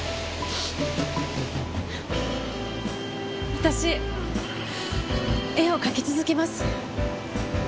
私絵を描き続けます。